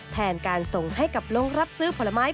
แทนการส่งให้กับโรงรับซื้อผลไม้